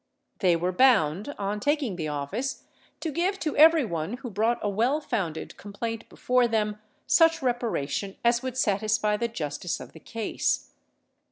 They were bound, on taking the office, to give to every one who brought a well founded complaint before them, such reparation as would satisfy the justice of the case.